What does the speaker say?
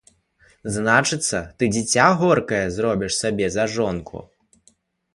Значыцца, ты дзіця горкае зробіш сабе за жонку.